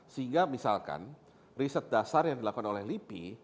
sehingga misalkan riset dasar yang dilakukan oleh lipi